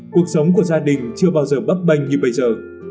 cuộc sống của gia đình chưa bao giờ bấp bênh như bây giờ